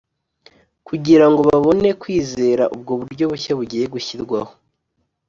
kugira ngo babone kwizera ubwo buryo bushya bugiye gushyirwaho